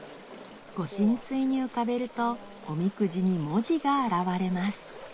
御神水に浮かべるとおみくじに文字が現れます